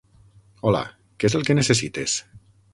Hola, què és el que necessites?